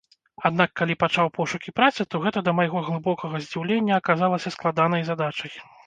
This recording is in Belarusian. Аднак калі пачаў пошукі працы, то гэта да майго глыбокага здзіўлення аказалася складанай задачай.